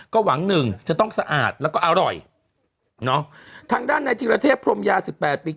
ก็หวังหนึ่งจะต้องสะอาดแล้วก็อร่อยเนอะทางด้านในธิรเทพพรมยาสิบแปดปี